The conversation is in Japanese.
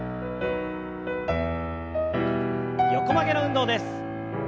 横曲げの運動です。